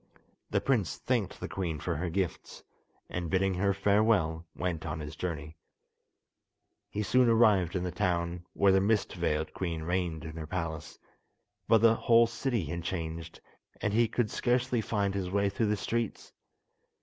The prince thanked the queen for her gifts, and, bidding her farewell, went on his journey. He soon arrived in the town where the mist veiled queen reigned in her palace, but the whole city had changed, and he could scarcely find his way through the streets.